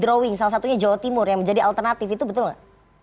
di lokasi drawing salah satunya jawa timur yang menjadi alternatif itu betul gak